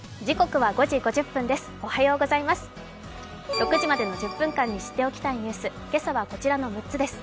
６時までの１０分間に知っておきたいニュース、今朝はこちらの６つです。